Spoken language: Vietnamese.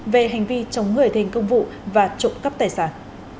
về hành vi chống người thành công vụ và trộm cắp tài sản